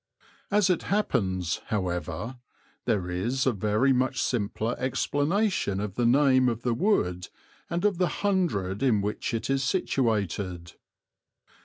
As it happens, however, there is a very much simpler explanation of the name of the wood and of the Hundred in which it is situated.